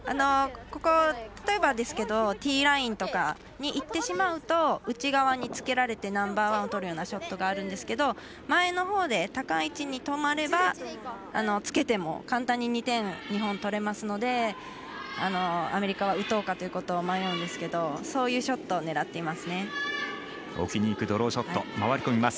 例えばですがティーラインとかにいってしまうと内側につけられてナンバーワンをとるようなショットがあるんですけど前のほうで、高い位置に止まればつけても簡単に２点を日本は取れますのでアメリカは打とうということを迷うんですけどそういうショットを狙っています。